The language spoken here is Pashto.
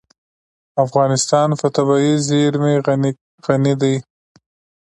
افغانستان په طبیعي زیرمې غني دی.